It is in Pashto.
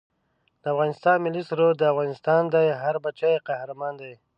د افغانستان ملي سرود دا افغانستان دی هر بچه یې قهرمان دی